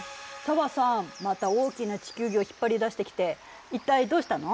また大きな地球儀を引っ張り出してきて一体どうしたの？